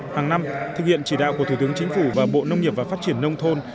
hàng năm thực hiện chỉ đạo của thủ tướng chính phủ và bộ nông nghiệp và phát triển nông thôn